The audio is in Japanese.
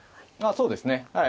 そうですねはい。